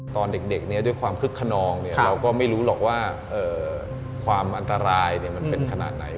ตอนเด็กด้วยความคึกขนองเราก็ไม่รู้หรอกว่าความอันตรายมันเป็นขนาดไหน